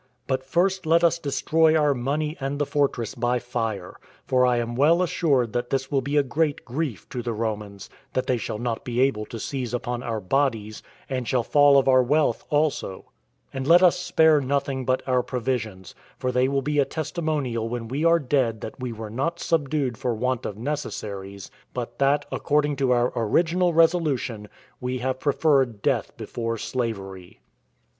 But first let us destroy our money and the fortress by fire; for I am well assured that this will be a great grief to the Romans, that they shall not be able to seize upon our bodies, and shall fail of our wealth also; and let us spare nothing but our provisions; for they will be a testimonial when we are dead that we were not subdued for want of necessaries, but that, according to our original resolution, we have preferred death before slavery."